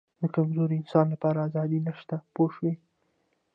د کمزوري انسان لپاره آزادي نشته پوه شوې!.